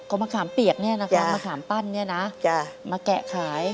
เอามะขามเปียกเนี่ยนะคะมะขามปั้นเนี่ยนะมาแกะขาย